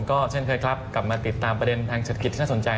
กลับมาติดตามประเด็นทางเศรษฐกิจที่น่าสนใจ